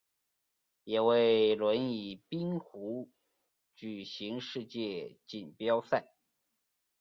也为轮椅冰壶举行世界锦标赛。